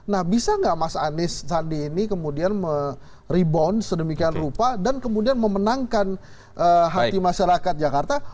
nah bisa nggak mas anies sandi ini kemudian rebound sedemikian rupa dan kemudian memenangkan hati masyarakat jakarta